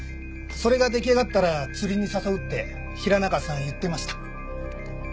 それが出来上がったら釣りに誘うって平中さん言ってました。